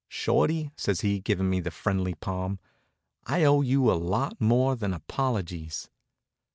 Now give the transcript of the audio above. "Shorty," says he, givin' me the friendly palm, "I owe you a lot more than apologies."